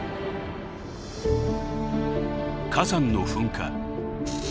火山の噴火。